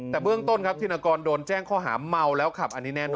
แต่เบื้องต้นครับธินกรโดนแจ้งข้อหาเมาแล้วขับอันนี้แน่นอน